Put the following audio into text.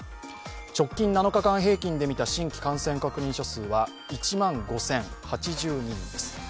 直近７日間平均でみた新規感染者数は１万５０８２人です。